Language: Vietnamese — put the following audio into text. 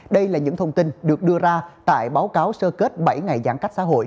đây là những thông tin được đưa ra tại báo cáo sơ kết bảy ngày giãn cách xã hội